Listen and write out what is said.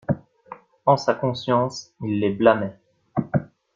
En sa conscience, il les blâmait.